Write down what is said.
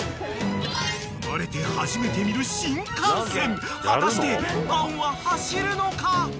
［生まれて初めて見る新幹線果たしてパンは走るのか？］